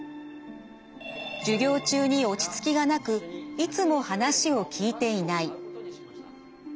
授業中に落ち着きがなくいつも話を聞いていない。